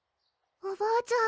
おばあちゃん